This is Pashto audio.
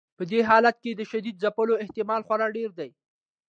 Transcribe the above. په دې حالت کې د شدید ځپلو احتمال خورا ډیر دی.